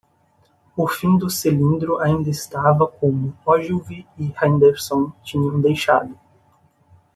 O fim do cilindro ainda estava como Ogilvy e Henderson tinham deixado.